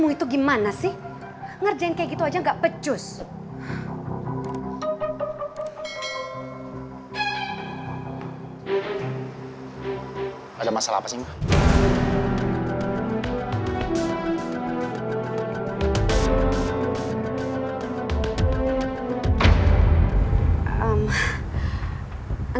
enggak enggak gak ada masalah apa apa kok sayang